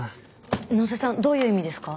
野瀬さんどういう意味ですか？